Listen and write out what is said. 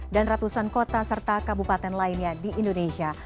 dan ratusan kota serta kabupaten lainnya di indonesia